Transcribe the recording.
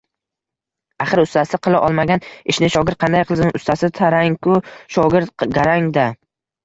Axir ustasi qila olmagan ishni shogirdi qanday qilsin, ustasi tarang-u, shogirdi garang-da